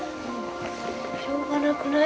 しょうがなくない？